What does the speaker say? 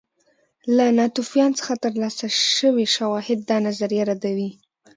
له ناتوفیان څخه ترلاسه شوي شواهد دا نظریه ردوي